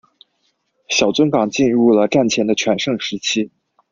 小樽港进入了战前的全盛时期。